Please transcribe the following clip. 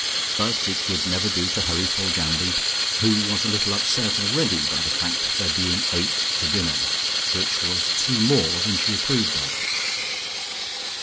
But it would never do to hurry Foljambe, who was a little upset already by the fact of there being eight to dinner, which was two more than she approved of.